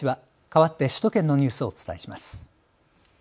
かわって首都圏のニュースをお伝えします。